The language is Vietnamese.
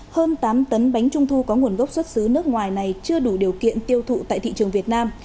hơn tám tấn bánh trung thu có nguồn gốc xuất xứ nước ngoài này chưa đủ điều kiện tiêu thụ tại thị trường việt nam